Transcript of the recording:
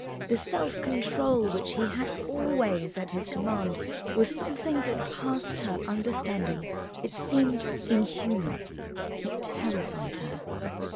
The self control which he had always at his command was something that passed her understanding; it seemed inhuman, it terrified her.